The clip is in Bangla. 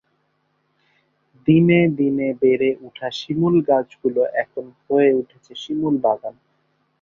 দিনে দিনে বেড়ে ওঠা শিমুল গাছগুলো এখন হয়ে উঠেছে শিমুল বাগান।